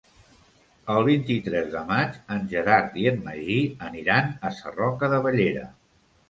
El vint-i-tres de maig en Gerard i en Magí aniran a Sarroca de Bellera.